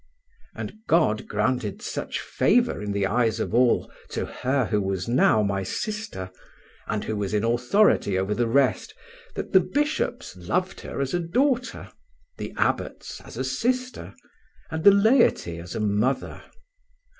And God granted such favour in the eyes of all to her who was now my sister, and who was in authority over the rest, that the bishops loved her as a daughter, the abbots as a sister, and the laity as a mother.